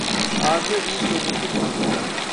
आग में बीस लोगों की मौत हो गई।